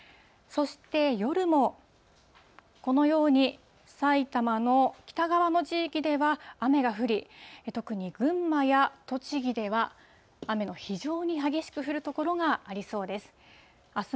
そして夜も、このように埼玉の北側の地域では雨が降り、特に群馬や栃木では、雨の非常に激しく降る所がありそうです。